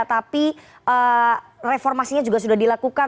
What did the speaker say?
tapi reformasinya juga sudah dilakukan